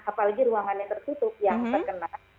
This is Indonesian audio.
apalagi ruangan yang tertutup yang terkena